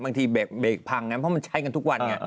บางทีเบรคพังนะเพราะมันใช้กันทุกวัน